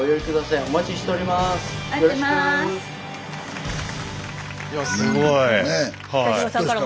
いやすごい。ね。